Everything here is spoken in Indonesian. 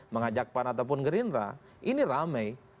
mengajak pan ataupun gerindra ini ramai